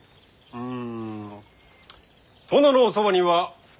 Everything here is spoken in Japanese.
うん？